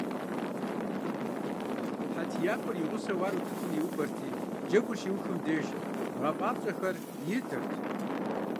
ХьэтиякӀуэр и гъусэу ар утыкум иувэрти, джэгур щиухым деж гъэфӀапщӀэхэр итырт.